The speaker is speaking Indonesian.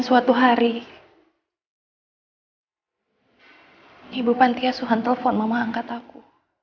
suatu hari ibu pantiasuhan telepon mama angkat aku